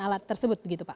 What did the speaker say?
alat tersebut begitu pak